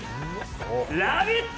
ラヴィット！